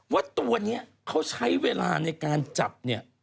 ว่าตัวนี้เขาใช้เวลาในการจับเนี่ย